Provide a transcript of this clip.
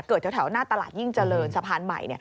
แถวหน้าตลาดยิ่งเจริญสะพานใหม่